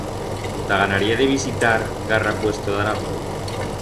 T'aganaría de visitar garra puesto d'Aragón?